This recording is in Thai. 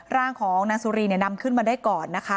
ร่างของนางสุรีเนี่ยนำขึ้นมาได้ก่อนนะคะ